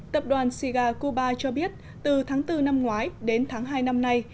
tập đoàn siga cuba cho biết từ tháng bốn năm ngoái đến tháng hai năm nay